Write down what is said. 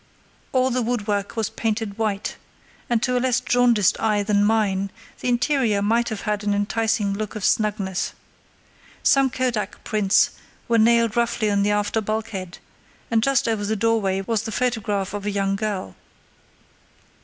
All the woodwork was painted white, and to a less jaundiced eye than mine the interior might have had an enticing look of snugness. Some Kodak prints were nailed roughly on the after bulkhead, and just over the doorway was the photograph of a young girl.